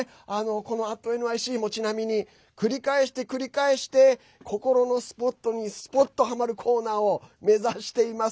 この「＠ｎｙｃ」もちなみに繰り返して繰り返して心のスポットにスポッとはまるコーナーを目指しています。